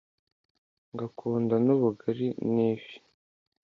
ngakunda n’ubugali n’ifi